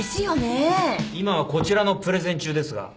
今はこちらのプレゼン中ですが。